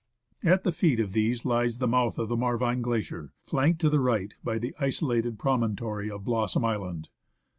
At the feet of these lies the mouth of the Marvine Glacier, flanked to the right by the isolated promontory of Blossom Island.